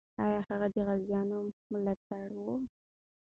آیا هغې د غازیانو ملا تړلې وه؟